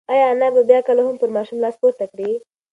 ایا انا به بیا کله هم پر ماشوم لاس پورته کړي؟